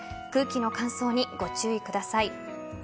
空気の乾燥にご注意ください。